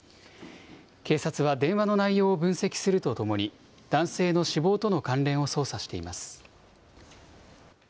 警察は電話の内容を分析するとともに、男性の死亡との関連を捜査しています。